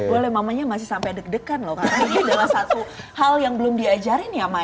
boleh mamanya masih sampai deg degan loh karena ini adalah satu hal yang belum diajarin ya ma ya